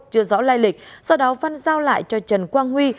chưa rõ lai lịch sau đó văn giao lại cho trần quang huy